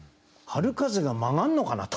「春風が曲がんのかな？」と。